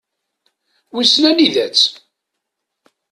Wissen anida-tt?